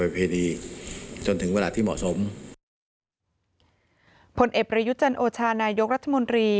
พลเอกประยุจรรย์โอชานายกรัฐมนตรี